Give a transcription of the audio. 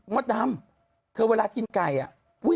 มัดดำเธอเวลากินไก่